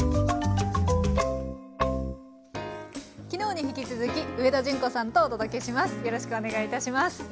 昨日に引き続き上田淳子さんとお届けします。